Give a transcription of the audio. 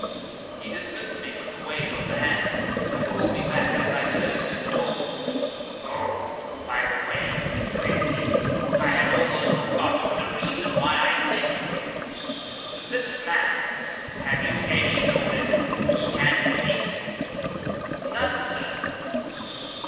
He dismissed me with a wave of the hand, but called me back as I turned to the door. "Oh, by the way," said he, "I had almost forgotten the reason why I sent for you. This man have you any notion who he can be?" "None, sir."